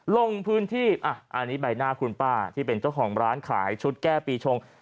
ลงพื้นที่อันนี้ใบหน้าคุณป้าที่เป็นเจ้าของร้านขายชุดแก้ปีชง